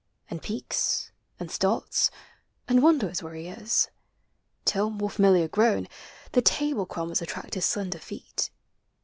And pecks, and starts, and wonders where be is: Till, more familiar grown, the table crumbfl Attract his slender feet.